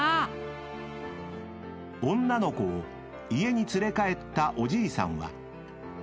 ［女の子を家に連れ帰ったおじいさんは］